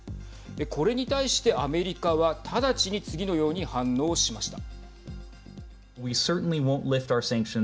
これに対して、アメリカは直ちに次のように反応しました。